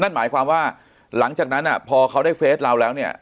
นั่นหมายความว่าหลังจากนั้นพอเขาได้เฟสเราแล้วเนี่ย